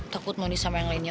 tekut monis sama yang lainnya